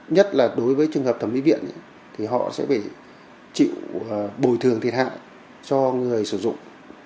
nhất là đối với trường hợp thẩm mỹ viện thì họ sẽ phải chịu bồi thường thiệt hại cho người sử dụng